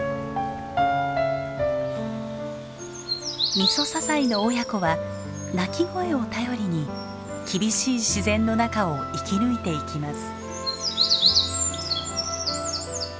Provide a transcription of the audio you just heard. ミソサザイの親子は鳴き声を頼りに厳しい自然の中を生き抜いていきます。